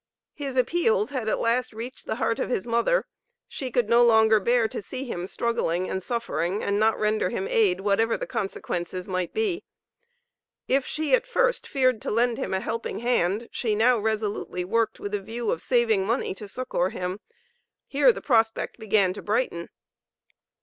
His appeals had at last reached the heart of his mother she could no longer bear to see him struggling, and suffering, and not render him aid, whatever the consequences might be. If she at first feared to lend him a helping hand, she now resolutely worked with a view of saving money to succor him. Here the prospect began to brighten.